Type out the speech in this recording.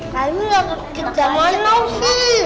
kayu enggak kaya kejamanan sih